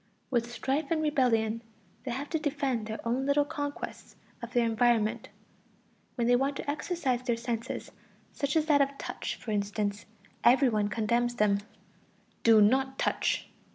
With strife and rebellion they have to defend their own little conquests of their environment. When they want to exercise their senses, such as that of touch, for instance, every one condemns them: "Do not touch!"